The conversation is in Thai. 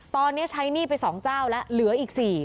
ตอนนี้ใช้หนี้ไป๒เจ้าแล้วเหลืออีก๔